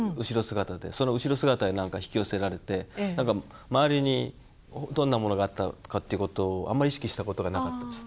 その後ろ姿になんか引き寄せられて周りにどんなものがあったかっていうことをあんまり意識したことがなかったですね。